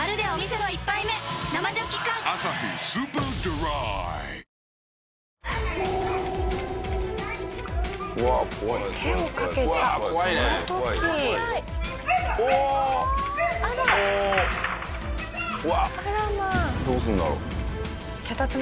どうするんだろう？